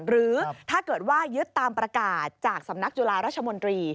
หรือถ้าเกิดว่ายึดตามประกาศจากสำนักจุฬาราชมนตรี